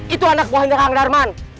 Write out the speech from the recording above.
itu anak buahnya kang darman